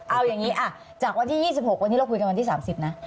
เอาอย่างนี้จากวันที่๒๖วันนี้เราคุยกันวันที่๓๐นะ